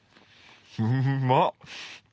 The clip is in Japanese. うまっ！